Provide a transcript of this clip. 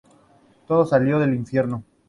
Todo salió del infierno.